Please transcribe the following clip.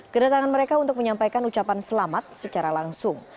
kedatangan mereka untuk menyampaikan ucapan selamat secara langsung